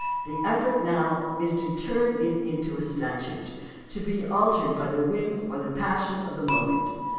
The effort now is to turn it into a statute, to be altered by the whim or the passion of the moment.